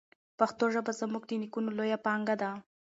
پښتو ژبه زموږ د نیکونو لویه پانګه ده.